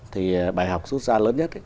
thì bài học xuất ra lớn nhất